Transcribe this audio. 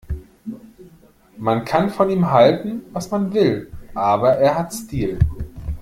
Man kann von ihm halten, was man will, aber er hat Stil.